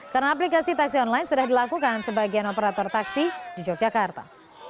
karena aplikasi taksi online sudah dilakukan sebagian operator taksi di yogyakarta